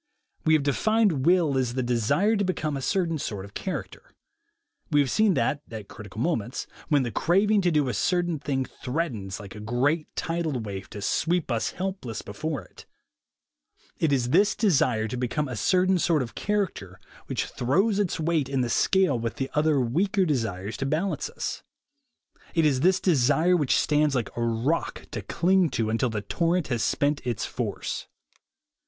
We have defined will as the desire to become a certain sort of character. We have seen that, at critical moments, when the craving to do a certain thing threatens, like a great tidal wave, to sweep us helpless before it, it is this desire to become a certain sort of character which throws its weight in the scale with the other weaker desires to balance us; it is this desire which stands like a rock to cling to until the torrent has spent its force.